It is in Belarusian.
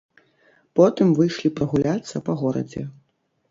Потым выйшлі прагуляцца па горадзе.